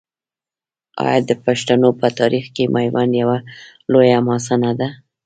آیا د پښتنو په تاریخ کې میوند یوه لویه حماسه نه ده؟